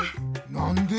なんで？